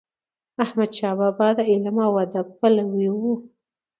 احمد شاه بابا د علم او ادب پلوی و.